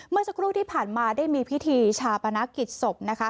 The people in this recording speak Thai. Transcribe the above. เมื่อสักครู่ที่ผ่านมาได้มีพิธีชาปนกิจศพ